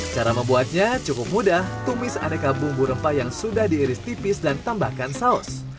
cara membuatnya cukup mudah tumis aneka bumbu rempah yang sudah diiris tipis dan tambahkan saus